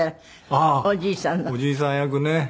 ああおじいさん役ね。